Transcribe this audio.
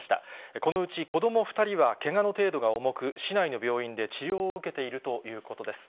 このうち子ども２人はけがの程度が重く、市内の病院で治療を受けているということです。